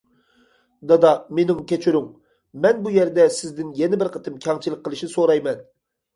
دادا مېنىڭ كەچۈرۈڭ، مەن بۇ يەردە سىزدىن يەنە بىر قېتىم كەڭچىلىك قىلىشنى سورايمەن.